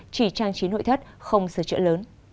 chỉ trang trí nội thất không sửa chữa lớn